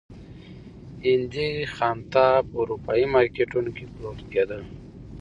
هندي خامتا په اروپايي مارکېټونو کې پلورل کېدل.